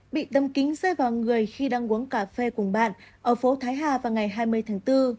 bị tâm kính rơi vào người khi đang uống cà phê cùng bạn ở phố thái hà vào ngày hai mươi tháng bốn